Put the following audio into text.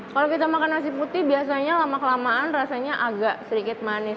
kalau kita makan nasi putih biasanya lama kelamaan rasanya agak sedikit manis